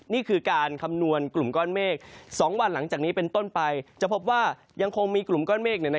นี่คือการคำนวณกลุ่มก้อนเมฆ๒วันหลังจากนี้เป็นต้นไปจะพบว่ายังคงมีกลุ่มก้อนเมฆ